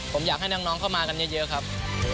ผมอยากให้น้องเข้ามากันเยอะครับ